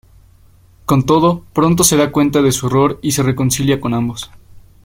Con todo, pronto se da cuenta de su error y se reconcilia con ambos.